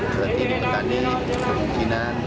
berarti ini petani kemungkinan